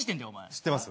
知ってます？